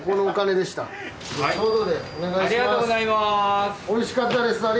おいしかったです。